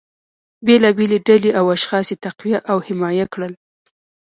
بیلابیلې ډلې او اشخاص یې تقویه او حمایه کړل